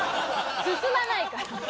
進まないから！